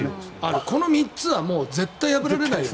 この３つは絶対破られないよ